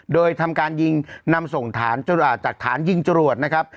โดยทำการยิงนำส่งฐานจากฐานยิงจรวดนะครับ